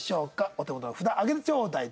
お手元の札上げてちょうだい。